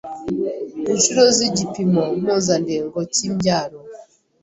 inshuro z'igikipimo mpuzandengo cy'imbyaro